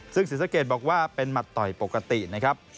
ซึ่งศรีสะเกดบอกว่าเป็นหมัดต่อยปกตินะครับ